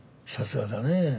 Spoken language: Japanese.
さすがだねえ。